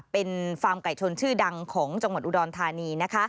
เป็นฟาร์มไก่ชนชื่อดังของจังหวัดอุดรธานีนะคะ